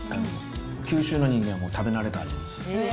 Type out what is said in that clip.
九州の人間も食べ慣れた味です。